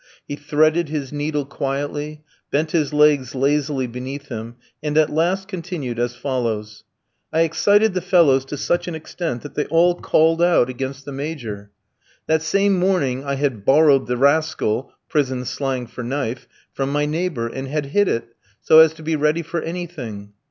He threaded his needle quietly, bent his legs lazily beneath him, and at last continued as follows: "I excited the fellows to such an extent that they all called out against the Major. That same morning I had borrowed the 'rascal' [prison slang for knife] from my neighbour, and had hid it, so as to be ready for anything.